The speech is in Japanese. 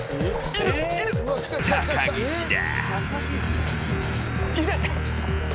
高岸だ。